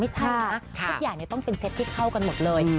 ทุกอย่างต้องเป็นเซตที่เข้ากันหมดเลย